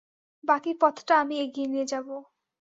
বাকী পথ টা আমি এগিয়ে নিয়ে যাবো।